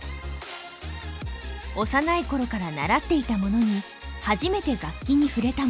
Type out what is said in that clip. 幼いころから習っていた者に初めて楽器に触れた者。